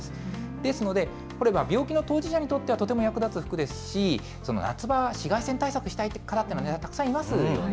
ですので、これは病気の当事者にとってはとても役立つ服ですし、夏場、紫外線対策したい方っていうのはたくさんいますよね。